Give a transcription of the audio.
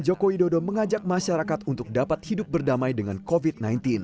jokowi dodo mengajak masyarakat untuk dapat hidup berdamai dengan covid sembilan belas